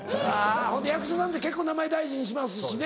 ほんで役者さんって結構名前大事にしますしね。